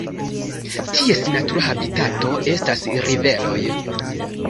Ties natura habitato estas riveroj.